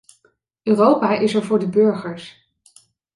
Europa is er voor de burgers.